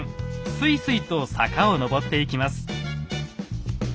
スイスイと坂を上っていきます。